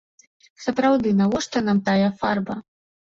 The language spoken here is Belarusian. Сапраўды, навошта нам тая фарба?